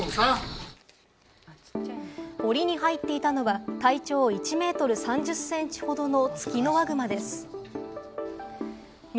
檻に入っていたのは、体長１メートル３０センチほどのツキノワグマです。